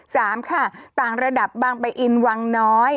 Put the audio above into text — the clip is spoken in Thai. สามค่ะต่างระดับบางปะอินวังน้อย